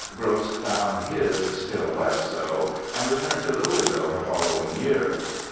Gross found his still less so, and returned to Louisville the following year.